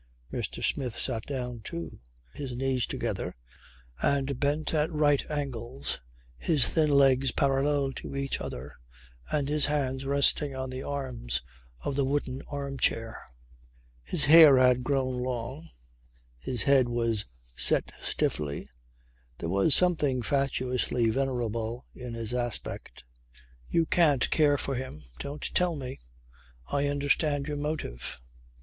Mr. Smith sat down too, his knees together and bent at right angles, his thin legs parallel to each other and his hands resting on the arms of the wooden arm chair. His hair had grown long, his head was set stiffly, there was something fatuously venerable in his aspect. "You can't care for him. Don't tell me. I understand your motive.